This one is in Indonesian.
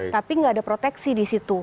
tapi nggak ada proteksi di situ